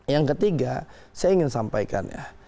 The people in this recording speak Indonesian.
yang ketiga saya ingin sampaikan ya